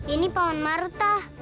ini paman maruta